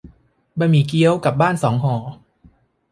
บะหมี่เกี๊ยว กลับบ้านสองห่อ